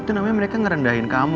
itu namanya mereka ngerendahin kamu